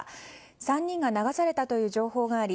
３人が流されたという情報があり